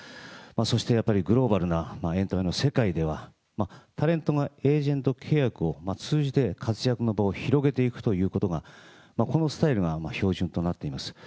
そしてやっぱりグローバルなエンタメの世界では、タレントがエージェント契約を通じて活躍の場を広げていくということが、このスタイルが標準となっています。